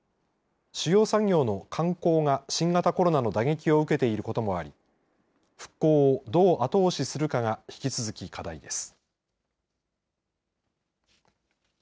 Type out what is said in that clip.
主要産業の観光が新型コロナの打撃を受けていることもあり復興をどう後押しするかが引き続き課題です。